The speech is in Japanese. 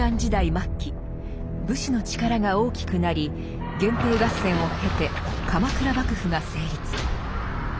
末期武士の力が大きくなり源平合戦を経て鎌倉幕府が成立。